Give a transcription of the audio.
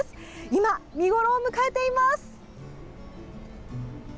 今、見頃を迎えています。